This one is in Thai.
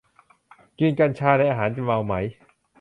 กินกัญชาในอาหารจะเมาไหม